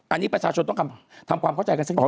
อันนี้ประชาชนต้องทำความเข้าใจกันสักหน่อย